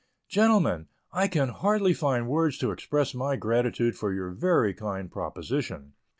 GENTLEMEN, I can hardly find words to express my gratitude for your very kind proposition.